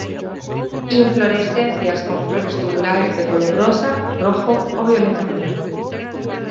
Inflorescencias con flores tubulares de color rosa, rojo o violeta en verano.